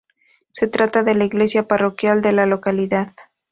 Se trata de la iglesia parroquial de la localidad.